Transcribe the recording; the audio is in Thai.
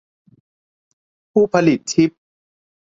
ผู้ผลิตชิป